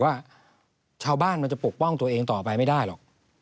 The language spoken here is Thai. ว่าชาวบ้านมันจะปกป้องตัวเองต่อไปไม่ได้หรอก